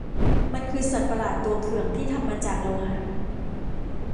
มันคือสัตว์ประหลาดตัวเขื่องที่ทำมาจากโลหะ